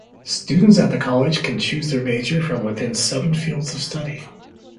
Students at the College can choose their major from within seven fields of study.